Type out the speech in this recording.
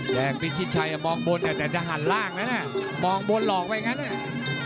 แดงปิชิชัยมองบนแต่จะหันล่างนะนะมองบนหลอกไปอย่างนั้น